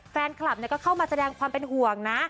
แฟนคลับก็เข้ามาแสดงความเป็นห่วงนะ